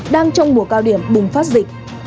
đang trong mùa cao điểm bùng phát dịch